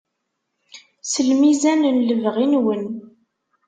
S lmizan n lebɣi-nwen.